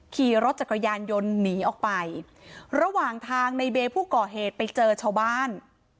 ขี่รถจักรยานยนต์หนีออกไประหว่างทางในเบย์ผู้ก่อเหตุไปเจอชาวบ้าน